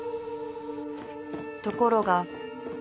［ところが］